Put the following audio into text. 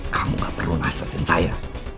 kamu gak perlu ngasepin saya